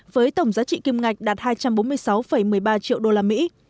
với tổng giá trị kim ngạch đạt hai trăm bốn mươi sáu một mươi ba triệu đô la mỹ